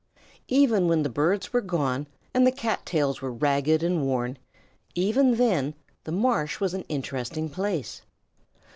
Even when the birds were gone and the cat tails were ragged and worn even then, the marsh was an interesting place.